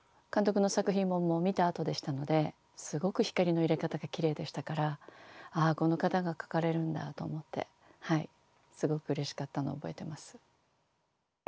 監督の作品も見た後でしたのですごく光の入れ方がきれいでしたからああこの方が描かれるんだと思ってはいすごくうれしかったのを覚えてます。